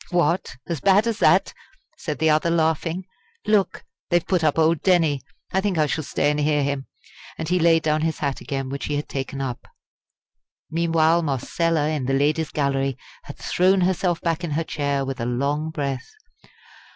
"What! as bad as that?" said the other, laughing. "Look! they have put up old Denny. I think I shall stay and hear him." And he laid down his hat again which he had taken up. Meanwhile Marcella in the Ladies' Gallery had thrown herself back in her chair with a long breath.